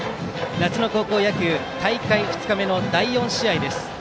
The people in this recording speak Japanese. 夏の高校野球大会２日目の第４試合です。